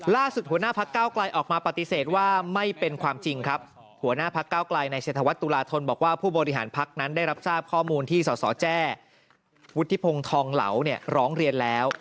ล่าสุดหัวหน้าพักเก้าไกลออกมาปฏิเสธว่าไม่เป็นความจริงครับหัวหน้าพักเก้าไกลในเศรษฐวัฒตุลาธนบอกว่าผู้บริหารพักนั้นได้รับทราบข้อมูลที่สสแจ้วุฒิพงศ์ทองเหลาเนี่ยร้องเรียนแล้ว